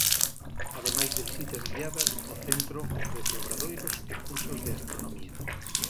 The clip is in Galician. Ademais de visitas guiadas, o centro ofrece obradoiros e cursos de astronomía.